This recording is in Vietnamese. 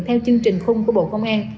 theo chương trình khung của bộ công an